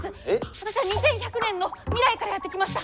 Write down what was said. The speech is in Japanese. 私は２１００年の未来からやって来ました。